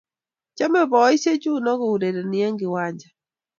chomei boisiek chuno kourereni en kiwanja